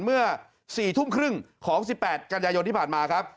เมื่อ๔ทุ่มครึ่งของ๑๘กันยายนที่ผ่านมาครับ